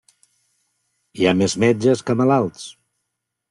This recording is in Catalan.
Hi ha més metges que malalts.